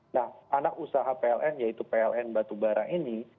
nah anak usaha pln yaitu pln batubara ini